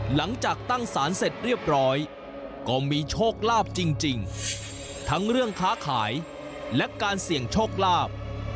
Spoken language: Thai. หลังจากตั้งสารเสร็จเรียบร้อยก็มีโชคลาภจริงทั้งเรื่องค้าขายและการเสี่ยงโชคลาภ